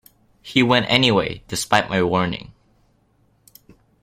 He went anyway, despite my warning.